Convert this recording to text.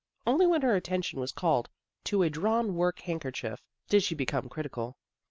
Only when her attention was called to a drawnwork handkerchief did she become critical.